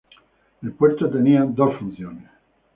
El puerto tenía dos funciones.